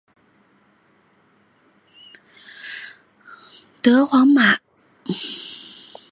德皇巴巴罗萨号战列舰是德意志帝国的一艘德皇腓特烈三世级前无畏战列舰。